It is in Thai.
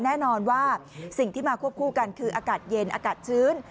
แน่นอนว่าสิ่งที่มาควบคู่กันคืออากาศเย็นอากาศชื้น